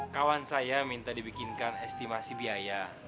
kawan saya minta dibikinkan estimasi biaya